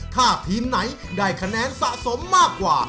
ถ้าทีมไหนได้คะแนนสะสมมากกว่า